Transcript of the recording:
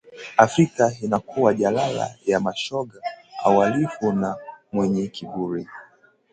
Afrika inakuwa jalala la mashoga, wahalifu na wenye kiburi